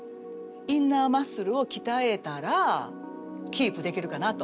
インナーマッスルをきたえたらキープできるかなと。